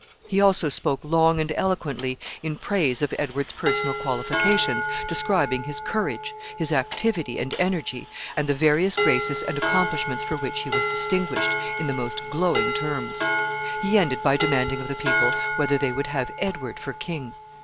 He also spoke long and eloquently in praise of Edward's personal qualifications, describing his courage, his activity, and energy, and the various graces and accomplishments for which he was distinguished, in the most glowing terms. He ended by demanding of the people whether they would have Edward for king.